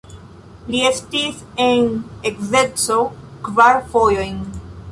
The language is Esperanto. Li estis en edzeco kvar fojojn.